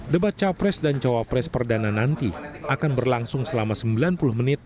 debat capres dan cawapres perdana nanti akan berlangsung selama sembilan puluh menit